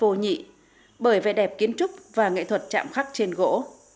vô nhị bởi vẻ đẹp kiến trúc và nghệ thuật chạm khắc trên gỗ